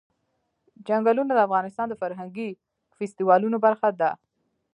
چنګلونه د افغانستان د فرهنګي فستیوالونو برخه ده.